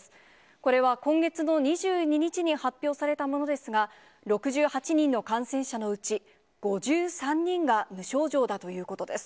これは今月の２２日に発表されたものですが、６８人の感染者のうち５３人が無症状だということです。